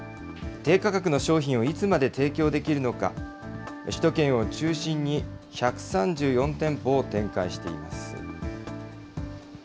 低価格の商品をいつまで提供できるのか、首都圏を中心に１３４店舗を展開しています。